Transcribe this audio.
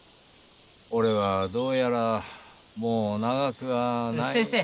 俺はどうやらもう長くはない。